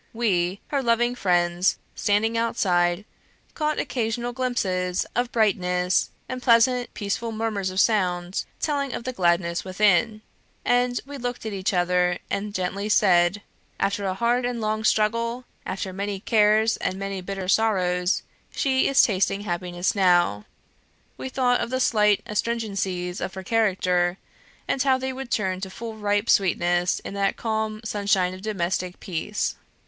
We, her loving friends, standing outside, caught occasional glimpses of brightness, and pleasant peaceful murmurs of sound, telling of the gladness within; and we looked at each other, and gently said, "After a hard and long struggle after many cares and many bitter sorrows she is tasting happiness now!" We thought of the slight astringencies of her character, and how they would turn to full ripe sweetness in that calm sunshine of domestic peace.